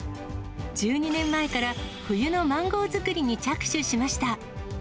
１２年前から冬のマンゴー作りに着手しました。